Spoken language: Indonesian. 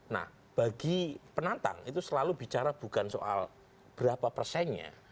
nah bagi penantang itu selalu bicara bukan soal berapa persennya